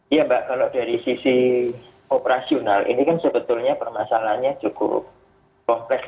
iya mbak kalau dari sisi operasional ini kan sebetulnya permasalahannya cukup kompleks